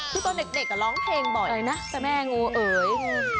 คือตอนเด็กร้องเพลงบ่อยนะเจ้าแม่งูเอ๋ย